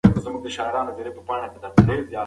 پوهه د پرمختګ لومړی ګام ده.